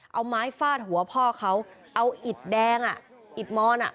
เอาไม้ฟาดหัวพ่อเขาเอาอิดแดงอ่ะอิดมอนอ่ะ